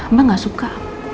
mba gak suka